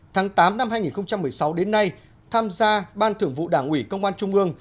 tháng tám năm hai nghìn một mươi sáu đến nay tham gia ban thưởng vụ đảng ủy công an trung ương